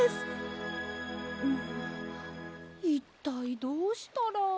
んいったいどうしたら。